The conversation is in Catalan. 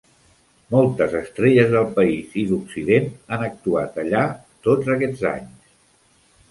Moltes estrelles del país i d'occident han actuat allà tots aquests anys.